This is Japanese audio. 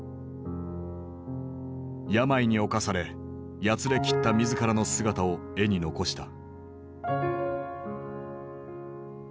病に侵されやつれきった自らの姿を絵に残した。